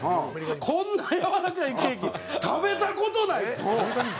「こんなやわらかいケーキ食べた事ない！」って言って。